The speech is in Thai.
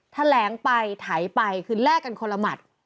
แถลงไปไถไปคือแลกกันคนละหมัด